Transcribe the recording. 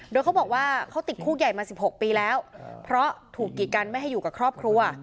โดยเขาบอกว่าเขาติดคุกใหญ่มา๑๖ปีแล้วเพราะถูกกีดกันไม่ให้อยู่กับครอบครัว